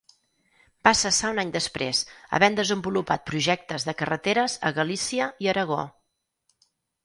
Va cessar un any després havent desenvolupat projectes de carreteres a Galícia i Aragó.